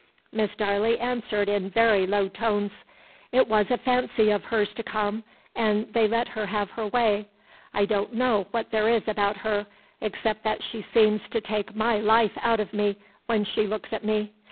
Miss Darley answered in very low tones. "It was a fancy of hers to come, and they let her have her way. I don't know what there is about her, except that she seems to take my life out of me when she looks at me.